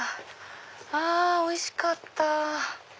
あおいしかった！